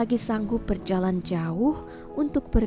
kue yang besar